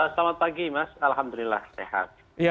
selamat pagi mas alhamdulillah sehat